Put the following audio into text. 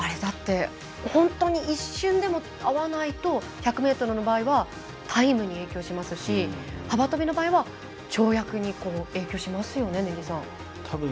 本当に一瞬でも合わないと１００ｍの場合はタイムに影響しますし幅跳びの場合は、跳躍に影響しますよね、根木さん。